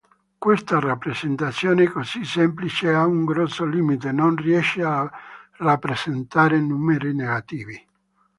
Questa rappresentazione così semplice ha un grosso limite, non riesce a rappresentare numeri negativi!